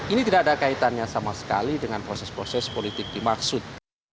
ini tidak ada kaitannya sama sekali dengan proses proses politik dimaksud